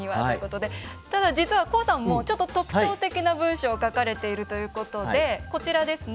ただ、実はＫＯＯさんも特徴的な文章を書かれているということでこちらです。